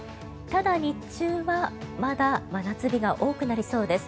ただ、日中はまだ真夏日が多くなりそうです。